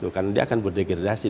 karena dia akan berdegradasi